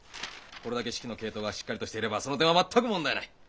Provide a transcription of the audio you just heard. これだけ指揮の系統がしっかりとしていればその点は全く問題ない。